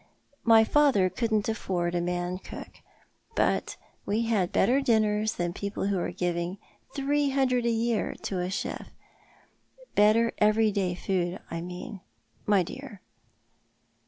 My father couldn't aiford a man cook ; but wo had better tlinners than people who were giving three hundred a year to a chef — better everyday food I mean, my dear."